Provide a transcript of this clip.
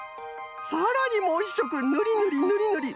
さらにもう１しょくぬりぬりぬりぬり。